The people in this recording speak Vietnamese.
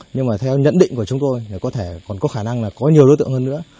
nhưng mà theo nhận định của chúng tôi là có thể còn có khả năng là có nhiều đối tượng hơn nữa